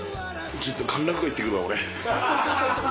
ちょっと歓楽街行ってくるわ、俺。